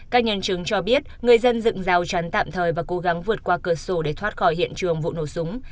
các nhân chứng cho biết người dân dựng rào chắn tạm thời và cố gắng vượt qua cửa sổ để thoát khỏi hiện trường vụ nổ súng